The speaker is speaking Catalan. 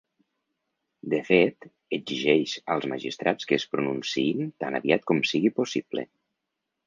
De fet, exigeix als magistrats que es pronunciïn ‘tan aviat com sigui possible’.